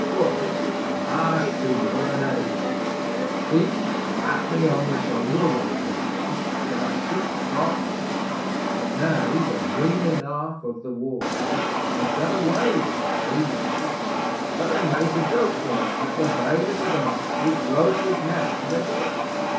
'Why, the Marsh fever an' ague. He've clapped me on the shoulder once or twice till I shook proper. But now the dreenin' off of the waters have done away with the fevers; so they make a joke, like, that the Bailiff o' the Marshes broke his neck in a dik.